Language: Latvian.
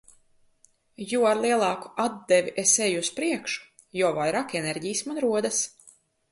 Jo ar lielāku atdevi es eju uz priekšu, jo vairāk enerģijas man rodas.